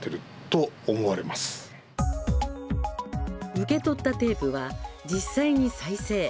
受け取ったテープは、実際に再生。